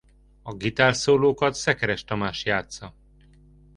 A gitárszólókat Szekeres Tamás játssza.